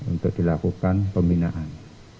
untuk dilakukan pembinaan